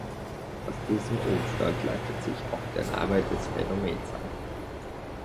Aus diesem Umstand leitet sich auch der Name des Phänomens ab.